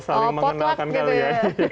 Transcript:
saling mengenalkan kali ya